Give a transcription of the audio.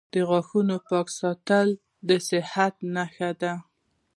• د غاښونو پاک ساتل د صحت نښه ده.